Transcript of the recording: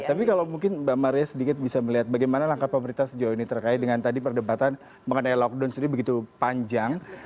tapi kalau mungkin mbak maria sedikit bisa melihat bagaimana langkah pemerintah sejauh ini terkait dengan tadi perdebatan mengenai lockdown sendiri begitu panjang